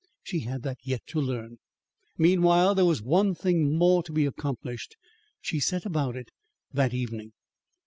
She had that yet to learn. Meanwhile, there was one thing more to be accomplished. She set about it that evening.